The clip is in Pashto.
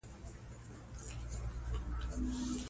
طبیعي زیرمې د افغانستان د طبعي سیسټم توازن په پوره او ښه توګه ساتي.